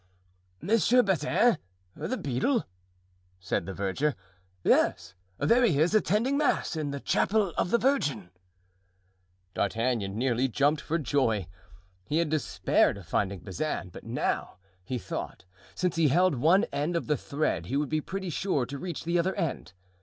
"Monsieur Bazin, the beadle?" said the verger. "Yes. There he is, attending mass, in the chapel of the Virgin." D'Artagnan nearly jumped for joy; he had despaired of finding Bazin, but now, he thought, since he held one end of the thread he would be pretty sure to reach the other end.